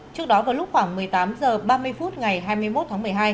trước đó vào lúc khoảng một mươi tám h ba mươi phút ngày hai mươi một tháng một mươi hai